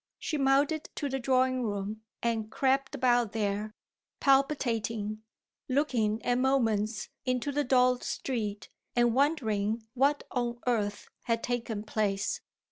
She mounted to the drawing room and crept about there, palpitating, looking at moments into the dull street and wondering what on earth had taken place.